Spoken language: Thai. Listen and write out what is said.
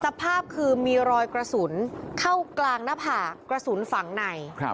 สภาพคือมีรอยกระสุนเข้ากลางหน้าผากกระสุนฝังใน